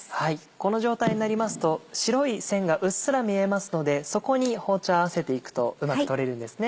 この状態になりますと白い線がうっすら見えますのでそこに包丁合わせていくとうまく取れるんですね。